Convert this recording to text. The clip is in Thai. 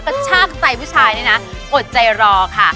กระชากใจผู้ชายเนี่ยนะอดใจรอค่ะ